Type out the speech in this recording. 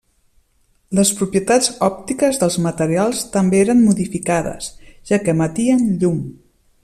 Les propietats òptiques dels materials també eren modificades, ja que emetien llum.